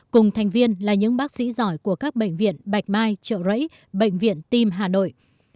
cùng thành viên là những bác sĩ giỏi của các bệnh viện bạch mai trợ rẫy bệnh viện tim hà nội